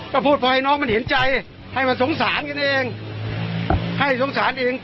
ก็พูดพอให้น้องมันเห็นใจให้มันสงสารกันเองให้สงสารเอง